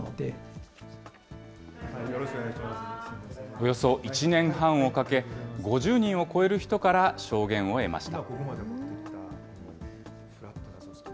およそ１年半をかけ、５０人を超える人から証言を得ました。